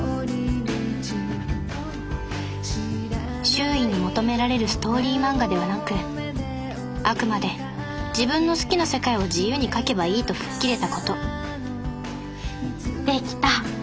周囲に求められるストーリー漫画ではなくあくまで自分の好きな世界を自由に描けばいいと吹っ切れたことできた！